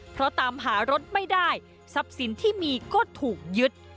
เพราะตามหารถไม่ได้ทรัพย์สินที่มีก็ถูกยึด